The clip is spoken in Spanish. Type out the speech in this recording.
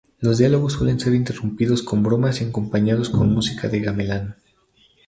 Los diálogos suelen ser interrumpidos con bromas y acompañados con música de gamelan.